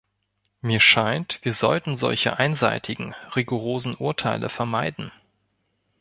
Mir scheint, wir sollten solche einseitigen, rigorosen Urteile vermeiden.